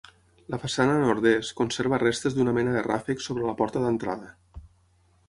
La façana nord-est conserva restes d'una mena de ràfec sobre la porta d'entrada.